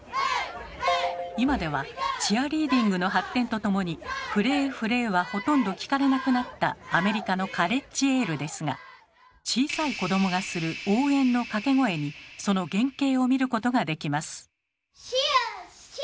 今ではチアリーディングの発展とともに「フレーフレー」はほとんど聞かれなくなったアメリカのカレッジエールですが小さい子供がする応援の掛け声にその原形を見ることができます。